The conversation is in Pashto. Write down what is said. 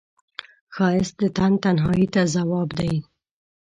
ښایست د تن تنهایی ته ځواب دی